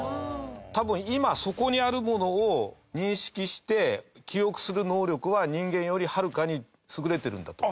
多分、今、そこにあるものを認識して記憶する能力は人間よりはるかに優れてるんだと。